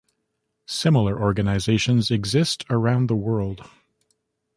Similar organizations exist around the world.